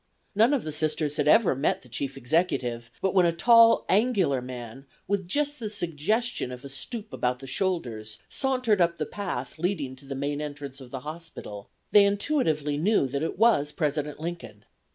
None of the Sisters had ever met the Chief Executive, but when a tall, angular man with just the suggestion of a stoop about the shoulders sauntered up the path leading to the main entrance of the hospital they intuitively knew that it was President Lincoln.